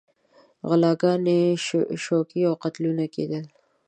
غلاګانې، شوکې او قتلونه کېدل.